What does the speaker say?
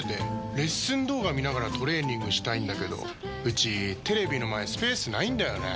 レッスン動画見ながらトレーニングしたいんだけどうちテレビの前スペースないんだよねー。